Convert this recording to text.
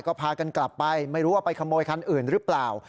ก็พากันกลับไปไม่รู้ว่าไปขโมยคันอื่นหรือเปล่า